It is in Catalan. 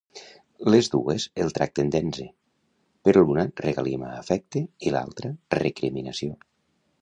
Les dues el tracten d'enze, però l'una regalima afecte i l'altra recriminació.